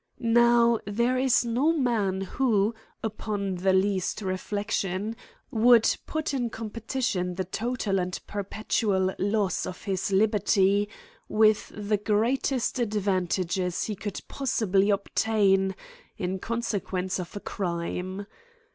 Now there is no man who, upon the least reflection, would put in competition the to tal and perpetual loss of his liberty, with the greatest advantages he could possibly obtain in consequence of a crime.